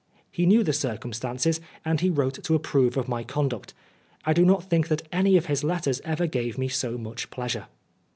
He knew the circumstances, and he wrote to approve of my conduct. I do not think that any of his letters ever gave me so much pleasure.